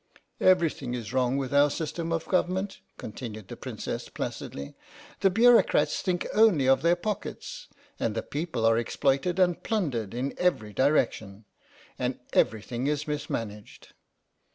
" Everything is wrong with our system of government," continued the Princess placidly. " The Bureaucrats think only of their pockets, and the people are exploited and plundered in every direction, and everything is mis managed."